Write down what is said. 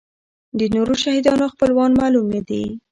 د نورو شهیدانو خپلوان معلوم نه دي.